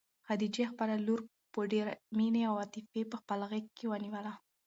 خدیجې خپله لور په ډېرې مینې او عاطفې په خپله غېږ کې ونیوله.